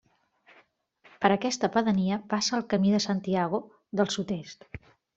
Per aquesta pedania passa el Camí de Santiago del sud-est.